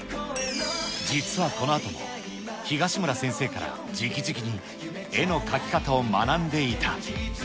実はこのあとも、東村先生からじきじきに絵の描き方を学んでいた。